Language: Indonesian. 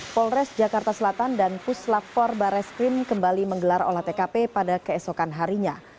polres jakarta selatan dan puslapor barreskrim kembali menggelar olah tkp pada keesokan harinya